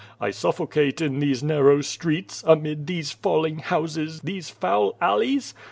I sulFoc ate in these narrow streets, amid these falling houses, these foul alleys.